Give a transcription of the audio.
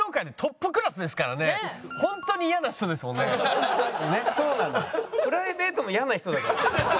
プライベートも嫌な人だから。